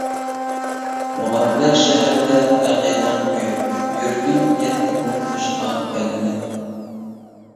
مۇغەمبەر شەھەردە ئەقىدەڭ كۆيۈپ، يۈرىكىڭ كەتتىمۇ تاشقا ئايلىنىپ؟ !